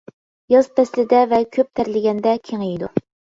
ياز پەسلىدە ۋە كۆپ تەرلىگەندە كېڭىيىدۇ.